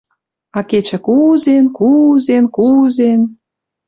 А кечӹ кузен, кузен, кузен